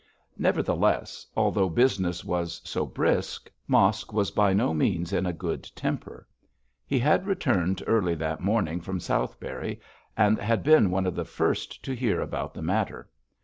Nevertheless, although business was so brisk, Mosk was by no means in a good temper. He had returned early that morning from Southberry, and had been one of the first to hear about the matter.